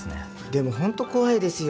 でもホント怖いですよ。